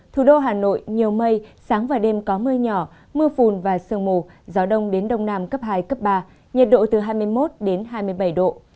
thủ đô hà nội nhiều mây sáng và đêm có mưa nhỏ mưa phùn và sương mù gió đông đến đông nam cấp hai cấp ba nhiệt độ từ hai mươi một đến hai mươi bảy độ